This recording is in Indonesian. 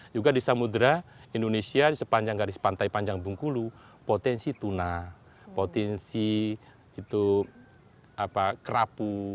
juga di samudera indonesia di sepanjang garis pantai panjang bengkulu potensi tuna potensi itu kerapu